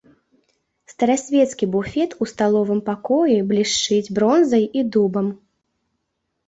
Старасвецкі буфет у сталовым пакоі блішчыць бронзай і дубам.